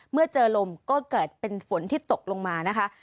เมื่อเจอลมก็เกิดเป็นฝนที่ตกลงมานะคะ